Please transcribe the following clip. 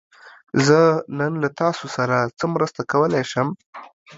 زه نن له تاسو سره څه مرسته کولی شم؟